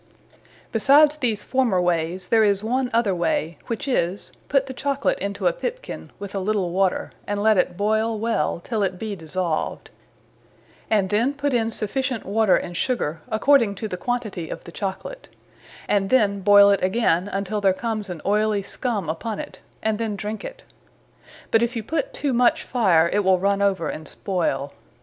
Besides these former wayes, there is one other way; which is, put the Chocolate into a pipkin, with a little water; and let it boyle well, till it be dissolved; and then put in sufficient water and Sugar, according to the quantity of the Chocolate; and then boyle it againe, untill there comes an oyly scumme upon it; and then drinke it. But if you put too much fire, it will runne over, and spoyle.